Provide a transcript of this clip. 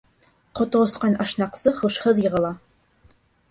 Ҡото осҡан ашнаҡсы һушһыҙ йығыла.